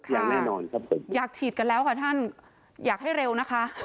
อย่างแน่นอนครับผมอยากฉีดกันแล้วค่ะท่านอยากให้เร็วนะคะ